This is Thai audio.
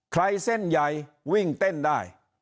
เส้นใหญ่วิ่งเต้นได้